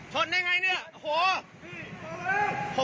ชนได้ไงเนี่ยโห